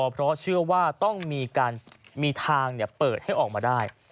เพราะเชื่อว่าต้องมีทางเปิดให้ออกมาได้